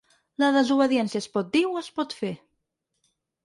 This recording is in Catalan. La desobediència es pot dir o es pot fer.